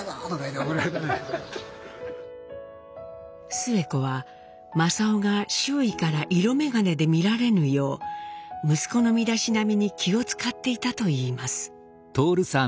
スエ子は正雄が周囲から色眼鏡で見られぬよう息子の身だしなみに気を遣っていたといいます。